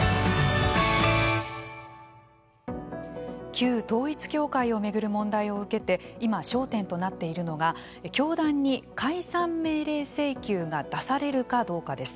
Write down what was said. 旧統一教会を巡る問題を受けて今、焦点となっているのが教団に解散命令請求が出されるかどうかです。